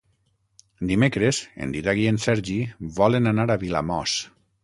Dimecres en Dídac i en Sergi volen anar a Vilamòs.